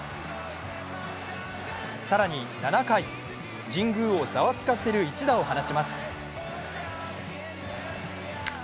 更に７回、神宮をざわつかせる一打を放ちます。